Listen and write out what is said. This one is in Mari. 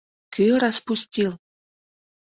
Кӧ распустил?